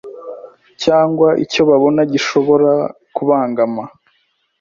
cyangwa icyo babona gishobora kubangama